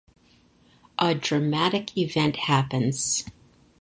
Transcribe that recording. A dramatic event happens.